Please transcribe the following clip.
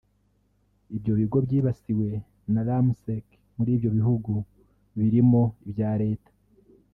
Ibyo bigo byibasiwe na Remsec muri ibyo bihugu birimo ibya Leta